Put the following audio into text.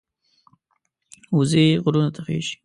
وزې غرونو ته خېژي